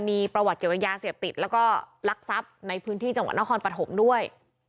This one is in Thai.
มีประวัติเกี่ยวกับยาเสพติดแล้วก็ลักทรัพย์ในพื้นที่จังหวัดนครปฐมด้วย